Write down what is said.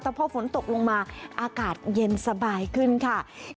แต่พอฝนตกลงมาอากาศเย็นสบายขึ้นค่ะ